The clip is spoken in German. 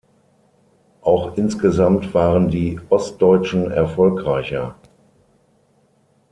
Auch insgesamt waren die Ostdeutschen erfolgreicher.